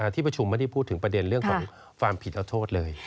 ที่ประชุมไม่ได้พูดถึงประเด็นเรื่องของความผิดเอาโทษเลย